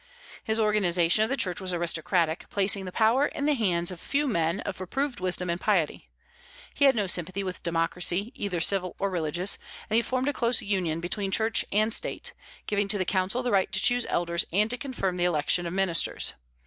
His organization of the Church was aristocratic, placing the power in the hands of a few men of approved wisdom and piety. He had no sympathy with democracy, either civil or religious, and he formed a close union between Church and State, giving to the council the right to choose elders and to confirm the election of ministers.